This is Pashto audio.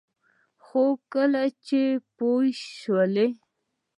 خو کله چې پوه شول